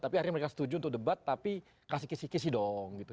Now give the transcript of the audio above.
tapi akhirnya mereka setuju untuk debat tapi kasih kisih kisi dong gitu